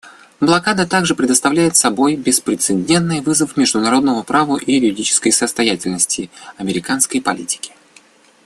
Блокада также представляет собой беспрецедентный вызов международному праву и юридической состоятельности американской политики.